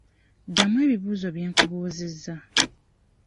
Ddamu ebibuuzo bye nkubuuzizza.